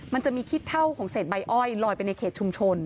มันจะมีขี้เท่าของเศษใบอ้อยลอยไปในเขตชุมชน